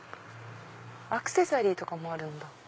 アクセサリーとかもあるんだ。